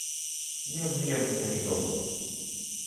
Nie obwiniam tutaj nikogo